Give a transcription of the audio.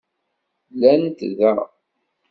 Llant da.